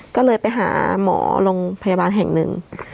ก็เลยไปหาหมอโรงพยาบาลแห่งหนึ่ง